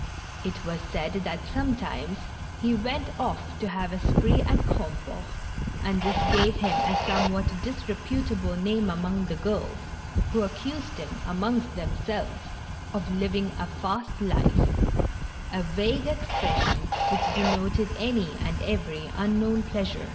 It was said that sometimes he went off to have a spree at Grandport, and this gave him a somewhat disreputable name among the girls, who accused him, amongst themselves, of living a fast life — a vague expression which denoted any and every unknown pleasure.